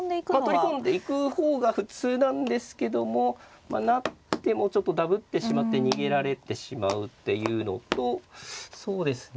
取り込んでいく方が普通なんですけども成ってもちょっとだぶってしまって逃げられてしまうっていうのとそうですね